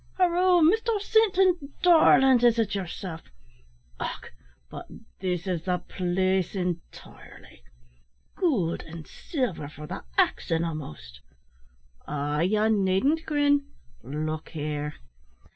Horoo, Mister Sinton, darlint, is it yerself? Och, but this is the place intirely goold and silver for the axin' a'most! Ah, ye needn't grin. Look here!"